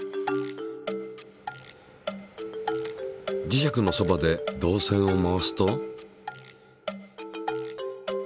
磁石のそばで導線を回すと。